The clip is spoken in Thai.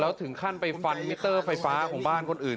แล้วถึงขั้นไปฟันมิเตอร์ไฟฟ้าของบ้านคนอื่น